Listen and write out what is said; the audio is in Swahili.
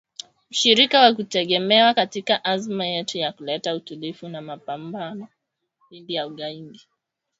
“mshirika wa kutegemewa katika azma yetu ya kuleta utulivu na mapambano dhidi ya ugaidi”